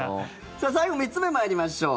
さあ、最後３つ目参りましょう。